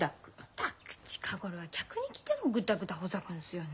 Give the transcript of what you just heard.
ったく近頃は客に来てもグダグダほざくんすよねえ。